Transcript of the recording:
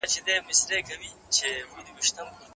آیا په دې رساله کې د احادیثو پښتو ژباړه شته؟